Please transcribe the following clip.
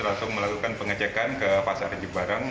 langsung melakukan pengecekan ke pasar reji barang